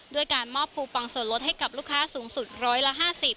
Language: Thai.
ด้วยการมอบคูปองส่วนลดให้กับลูกค้าสูงสุดร้อยละ๕๐